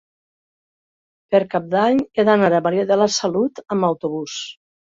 Per Cap d'Any he d'anar a Maria de la Salut amb autobús.